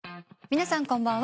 皆さんこんばんは。